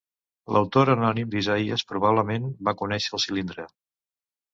L'autor anònim d'Isaïes probablement va conèixer el Cilindre.